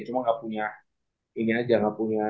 cuma gak punya ini aja gak punya